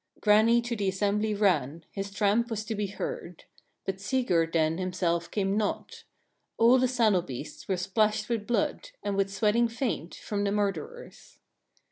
4. Grani to the assembly ran, his tramp was to be heard; but Sigurd then himself came not. All the saddle beasts were splashed with blood, and with sweating faint, from the murderers.